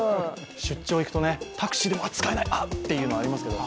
出張行くとね、タクシーでは使えない、あっ、っていうのがありますけど。